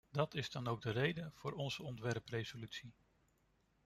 Dat is dan ook de reden voor onze ontwerpresolutie.